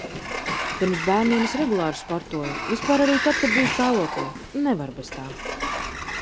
Pirms bērniem es regulāri sportoju, vispār arī tad, kad biju stāvoklī, nevaru bez tā.